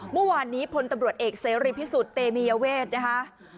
เมื่อวานนี้พลตำรวจเอกเสรีพิสุทธิ์เตมียเวทนะคะ